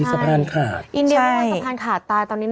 ใช่